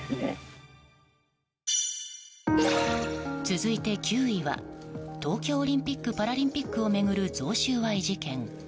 続いて９位は東京オリンピック・パラリンピックを巡る贈収賄事件。